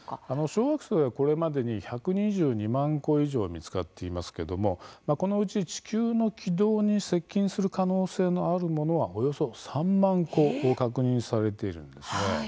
小惑星は、これまでに１２２万個以上が見つかっていますけれどもこのうち地球の軌道に接近する可能性のあるものはおよそ３万個確認されているんですね。